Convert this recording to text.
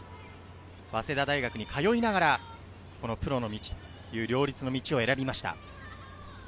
早稲田大学に通いながら、プロという両立の道を選びました。